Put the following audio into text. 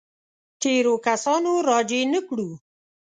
تېرو کسانو راجع نه کړو.